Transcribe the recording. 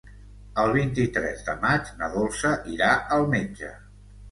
El vint-i-tres de maig na Dolça irà al metge.